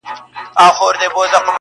ستا د عدل او انصاف بلا گردان سم!.